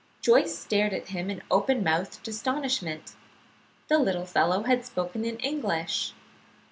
Joyce stared at him in open mouthed astonishment. The little fellow had spoken in English.